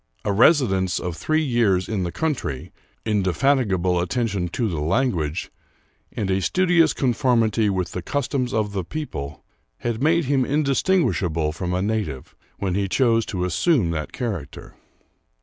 A residence of three years in the country, indefatigable at tention to the language, and a studious conformity with the customs of the people, had made him indistinguishable from a native when he chose to assume that character.